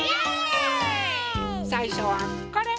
さいしょはこれ！